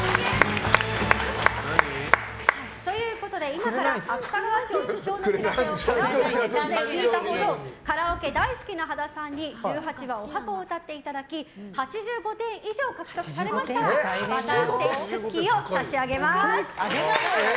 今から芥川賞受賞の知らせをカラオケボックスで聞いたほどカラオケ大好きな羽田さんにおはこを歌っていただき８５点以上獲得されましたらバターステイツクッキーを差し上げます。